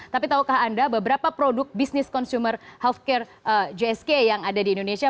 tapi tahukah anda beberapa produk bisnis consumer healthcare gsk yang ada di indonesia